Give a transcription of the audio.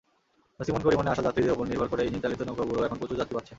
নছিমন-করিমনে আসা যাত্রীদের ওপর নির্ভর করে ইঞ্জিনচালিত নৌকাগুলোও এখন প্রচুর যাত্রী পাচ্ছে।